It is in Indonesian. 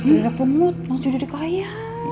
udah ada penut langsung jadi kaya